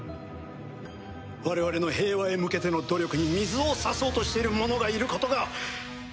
我々の平和へ向けての努力に水を差そうとしている者がいることが！